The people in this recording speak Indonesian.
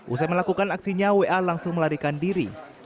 usai melakukan aksinya wa langsung melarikan diri